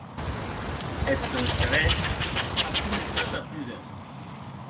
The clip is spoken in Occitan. Eth sòn starets a començat a púder.